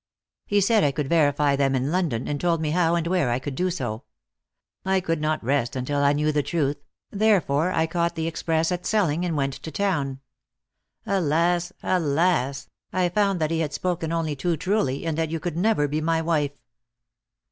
He said I could verify them in London, and told me how and where I could do so. I could not rest until I knew the truth, therefore I caught the express at Selling and went to town. Alas, alas! I found that he had spoken only too truly, and that you could never be my wife."